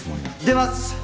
出ます！